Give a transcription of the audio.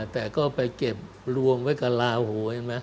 แต่ก็ไปเก็บรวมไว้กับลาโห